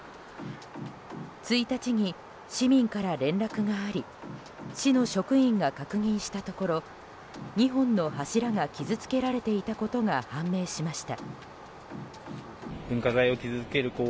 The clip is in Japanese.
１日に市民から連絡があり市の職員が確認したところ２本の柱が傷つけられていたことが判明しました。